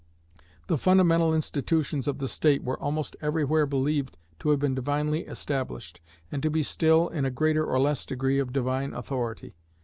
The fundamental institutions of the state were almost everywhere believed to have been divinely established, and to be still, in a greater or less degree, of divine authority.